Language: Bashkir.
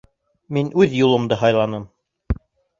Мин үҙ юлымды һайланым.